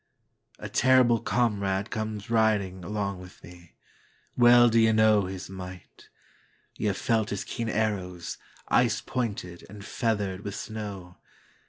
A terrible comrade comes ridingAlong with me; well do ye knowHis might,—ye have felt his keen arrows, Ice pointed and feathered with snow.